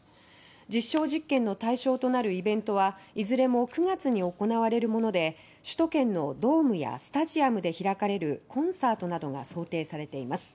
実証実験の対象となるイベントはいずれも９月に行われるもので首都圏のドームやスタジアムで開かれるコンサートなどが想定されています。